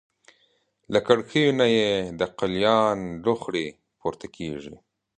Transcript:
له کړکیو نه یې د قلیان لوخړې پورته کېږي.